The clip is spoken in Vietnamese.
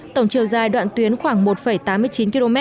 tổng chiều dài đoạn tuyến khoảng một tám mươi chín km